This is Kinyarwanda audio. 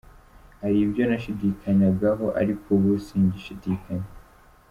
Hari ibyo nashidikanyagaho ariko ubu singishidikanya”.